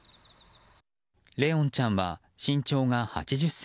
怜音ちゃんは身長が８０ｃｍ。